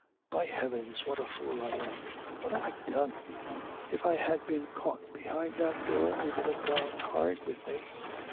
'By heavens, what a fool I am! What have I done? If I had been caught behind that door it would have gone hard with me.